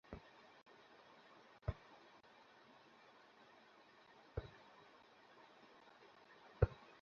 আমি এই বাড়ি এবং বাড়িতে থাকা সবকিছু আগুনে পুড়ে ফেলব।